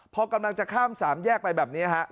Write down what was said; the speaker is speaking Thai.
พอกำลังจะข้ามสามแยกไปแบบนี้ฮะ